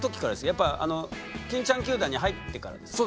やっぱ欽ちゃん球団に入ってからですか？